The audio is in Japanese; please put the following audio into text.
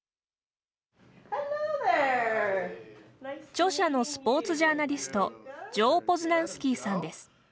著者のスポーツジャーナリストジョー・ポズナンスキーさんです。